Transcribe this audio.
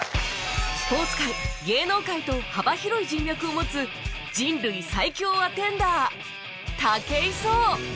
スポーツ界芸能界と幅広い人脈を持つ人類最強アテンダー武井壮